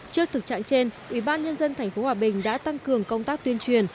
trước thực trạng trên ủy ban nhân dân tp hòa bình đã tăng cường công tác tuyên truyền